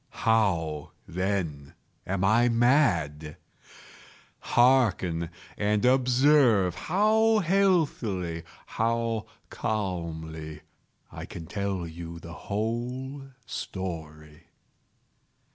How, then, am I mad? Hearken! and observe how healthily—how calmly I can tell you the whole story.